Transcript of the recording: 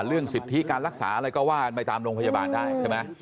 เรื่องสิทธิการรักษาอะไรก็ว่ากันไปตามโรงพยาบาลได้ใช่ไหม